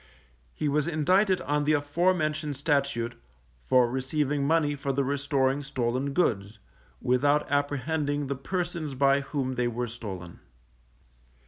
He was indicted on the afore mentioned Statute, for receiving money for the restoring stolen goods, without apprehending the persons by whom they were stolen.